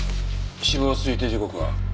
死亡推定時刻は？